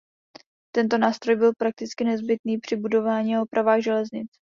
Tento nástroj byl prakticky nezbytný při budování a opravách železnic.